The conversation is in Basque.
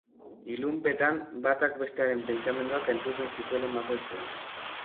Ilunpetan, batak bestearen pentsamenduak entzuten zituela ematen zuen.